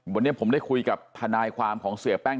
วันนี้ผมได้คุยกับทนายความของเสียแป้ง